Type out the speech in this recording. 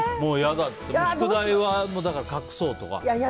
宿題は隠そうとか。